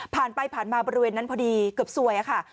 ผ่านไปผ่านมาบริเวณนั้นพอดีเกือบซวยค่ะ